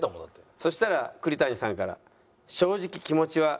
そうしたら栗谷さんから。